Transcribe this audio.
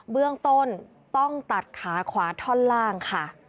เบื้องต้นต้องตัดขาขวาท่อนล่างค่ะ